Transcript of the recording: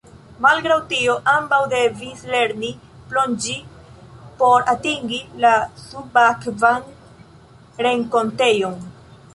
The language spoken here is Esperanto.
Malgraŭ tio, ambaŭ devis lerni plonĝi por atingi la subakvan renkontejon.